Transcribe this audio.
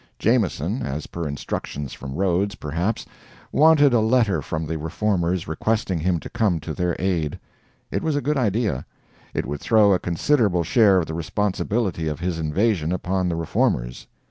Jameson as per instructions from Rhodes, perhaps wanted a letter from the Reformers requesting him to come to their aid. It was a good idea. It would throw a considerable share of the responsibility of his invasion upon the Reformers.